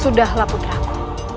sudahlah putra ku